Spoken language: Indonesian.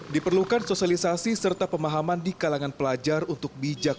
diperlukan sosialisasi serta pemahaman di kalangan pelajar untuk bijak